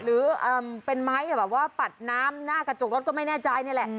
หรือเป็นไม้แบบว่าปัดน้ำหน้ากระจกรถก็ไม่แน่ใจนี่แหละ